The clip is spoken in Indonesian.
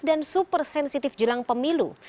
dan supersensitif jelang pemilu